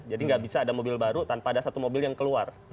jadi nggak bisa ada mobil baru tanpa ada satu mobil yang keluar